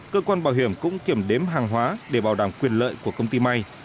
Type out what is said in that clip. cơ quan bảo hiểm cũng kiểm đếm hàng hóa để bảo đảm quyền lợi của công ty may